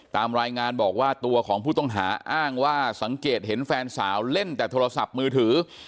ตามรายงานบอกว่าตัวของผู้ต้องหาอ้างว่าสังเกตเห็นแฟนสาวเล่นแต่โทรศัพท์มือถือ